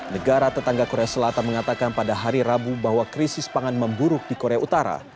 negara tetangga korea selatan mengatakan pada hari rabu bahwa krisis pangan memburuk di korea utara